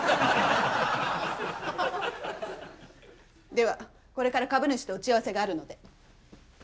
ではこれから株主と打ち合わせがあるので。